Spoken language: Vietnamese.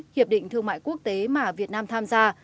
hiệp định thương mại quốc tế mà việt nam tham gia